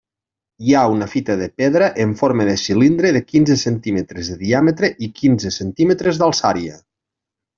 Hi ha una fita de pedra en forma de cilindre de quinze centímetres de diàmetre i quinze centímetres d'alçària.